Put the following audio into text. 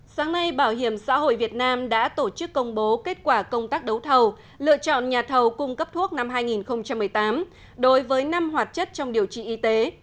sáng nay bảo hiểm xã hội việt nam đã tổ chức công bố kết quả công tác đấu thầu lựa chọn nhà thầu cung cấp thuốc năm hai nghìn một mươi tám đối với năm hoạt chất trong điều trị y tế